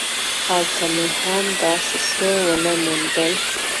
هلته مې هم داسې څه ونه موندل.